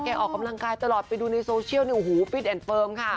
แกออกกำลังกายตลอดไปดูในโซเชียลฟิตแอนด์เฟิร์มค่ะ